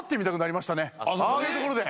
ああいうところで。